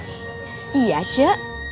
jangan lupa subcribe ya